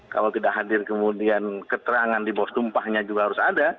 kalau tidak hadir kemudian keterangan di bawah tumpahnya juga harus ada